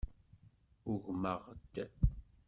Ugmeɣ-d.